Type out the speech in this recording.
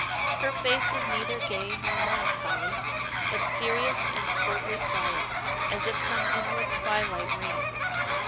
Her face was neither gay nor melancholy, but serious and coldly quiet, as if some inward twilight reigned.